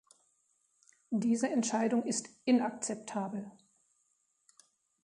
Diese Entscheidung ist inakzeptabel.